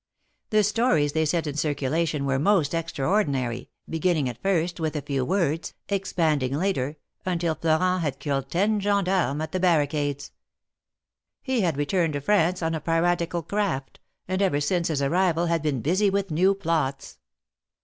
The stories they set in circulation were most extraordinary, beginning at first with a few words, expanding later, until Florent had killed ten gendarmes at the barricades. He had returned to France on a piratical craft, and ever since his arrival had been busy with new plots.